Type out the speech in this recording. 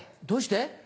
どうして？